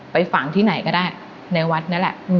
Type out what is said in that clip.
ฝังที่ไหนก็ได้ในวัดนั่นแหละ